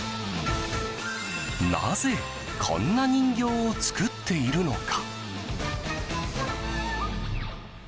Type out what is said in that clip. なぜ、こんな人形を作っているのか。